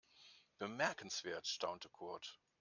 Bemerkenswert, staunte Kurt.